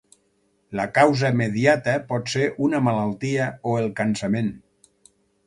La causa mediata pot ser una malaltia o el cansament.